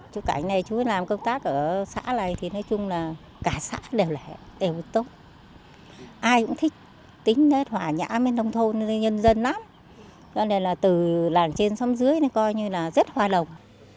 chú cảnh này chú làm công tác ở xã này thì nói chung là cả xã đều tốt ai cũng thích tính hết hòa nhã bên đồng thôn nhân dân lắm cho nên là từ làn trên xóm dưới coi như là rất hòa đồng